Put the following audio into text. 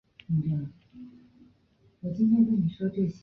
李庆烨于首尔附近的城南市出生时是一个男孩。